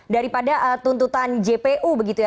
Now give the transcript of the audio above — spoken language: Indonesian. daripada tuntutan jpu begitu ya